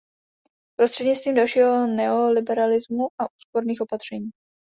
Prostřednictvím dalšího neoliberalismu a úsporných opatření.